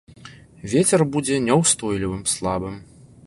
Вецер будзе няўстойлівым слабым.